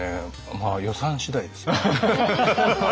まあ予算次第ですよね。